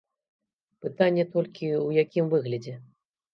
Пытанне толькі, у якім выглядзе.